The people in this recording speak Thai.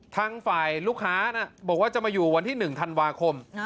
ทางฝ่ายลูกค้าบอกว่าจะมาอยู่วันที่๑ธันวาคม